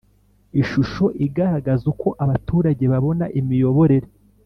Ishusho igaragaza uko abaturage babona imiyoborere